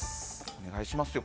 お願いしますよ。